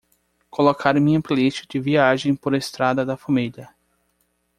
colocar minha playlist de viagem por estrada da família